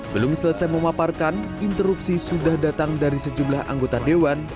belum selesai memaparkan interupsi sudah datang dari sejumlah anggota dewan